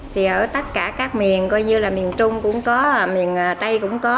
thì ở tất cả các miền coi như là miền trung cũng có miền tây cũng có